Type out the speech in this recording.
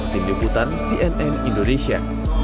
tim dekutan cnn indonesia